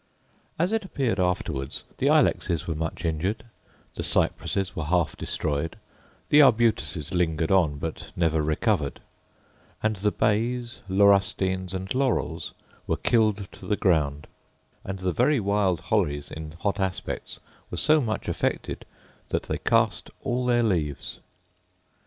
As it appeared afterwards the ilexes were much injured, the cypresses were half destroyed, the arbutuses lingered on, but never recovered; and the bays, laurustines, and laurels, were killed to the ground; and the very wild hollies, in hot aspects, were so much affected that they cast all their leaves.